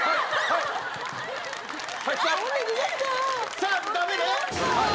さあダメね。